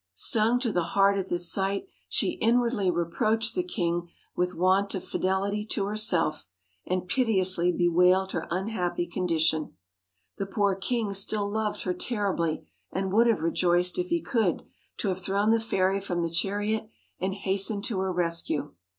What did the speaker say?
Stung to the heart at this sight she in wardly reproached the king with want of fidelity to herself, and piteously bewailed her unhappy condition. The poor king still loved her tenderly, and would have rejoiced, if he could, to have thrown the fairy from the chariot, and hastened to her rescue.